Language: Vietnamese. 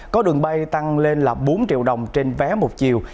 có đường bay tăng lên là bốn triệu đồng trên vé một chiều